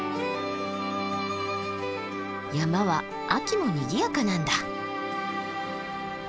山は秋もにぎやかなんだ。